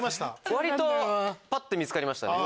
割とぱって見つかりましたね。